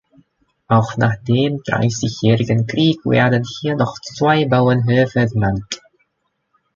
Auch nach dem Dreißigjährigen Krieg werden hier noch zwei Bauernhöfe genannt.